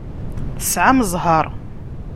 Tesɛam zzheṛ.